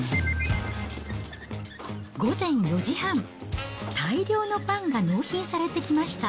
午前４時半、大量のパンが納品されてきました。